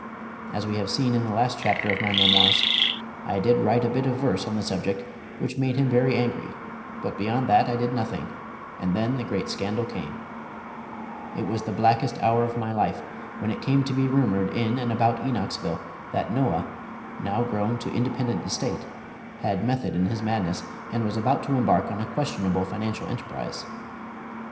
As we have seen in the last chapter of my memoirs, I did write a bit of verse on the subject which made him very angry, but beyond that I did nothing, and then the great scandal came! [Illustration: Noah regrets having shipped guinea pigs.] It was the blackest hour of my life when it came to be rumored in and about Enochsville that Noah, now grown to independent estate, had method in his madness, and was about to embark upon a questionable financial enterprise.